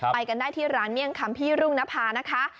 ไปกันได้ที่ร้านเมี่ยงคำพี่รุ่งนภานะคะ